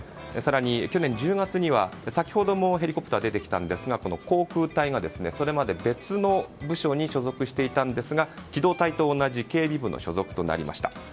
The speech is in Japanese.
更に、去年１０月には先ほどもヘリコプター出てきたんですがこの航空隊が、それまで別の部署に所属していたんですが機動隊と同じ警備部の所属となりました。